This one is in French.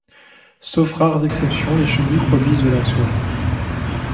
Sauf rares exceptions, les chenilles produisent de la soie.